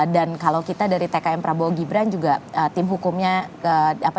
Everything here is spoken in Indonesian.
dan kalau kita dari tkm prabowo gimelan juga tim hukumnya